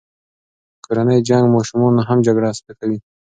کورنی جنګ ماشومان هم جګړه زده کوي.